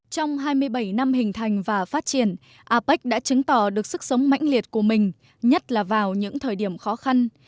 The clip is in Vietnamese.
trong hai mươi bảy năm hình thành và phát triển apec đã chứng tỏ được sức sống mãnh liệt của mình nhất là vào những thời điểm khó khăn